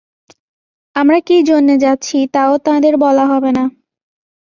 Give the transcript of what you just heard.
আমরা কী জন্যে যাচ্ছি তাও তাঁদের বলা হবে না।